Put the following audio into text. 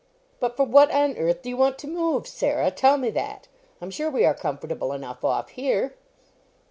"But for what on earth do you want to move, Sarah? Tell me that. I'm sure we are comfortable enough off here."